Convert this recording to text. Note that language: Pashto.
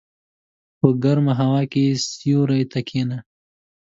په ګرمه هوا کې سیوري ته کېنه.